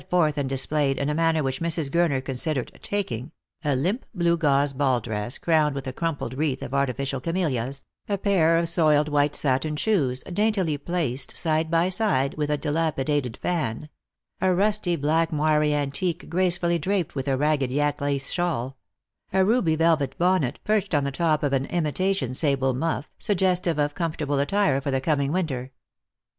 forth and displayed in a manner which Mrs. Gurner considered " taking:" a limp blue gauze ball dress, crowned with a crum pled wreath of artificial camellias; a pair of soiled white satin shoes, daintily placed side by side with a dilapidated fan ; a rusty black moire antique gracefully draped with a ragged yak lace shawl; a ruby velvet bonnet, perched on the top of an imitation sable muff, suggestive of comfortable attire for the coming winter.